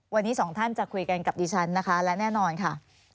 วันนี้สองท่านจะคุยกันกับดิฉันนะคะและแน่นอนค่ะ